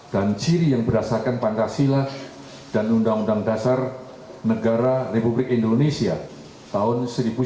dan ciri yang berdasarkan pancasila dan undang undang dasar negara republik indonesia tahun seribu sembilan ratus empat puluh lima